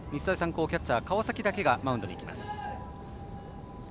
高、キャッチャー川崎だけはマウンドに行きます。